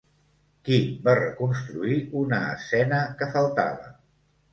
Qui va reconstruir una escena que faltava?